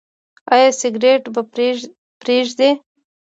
ایا سګرټ به پریږدئ؟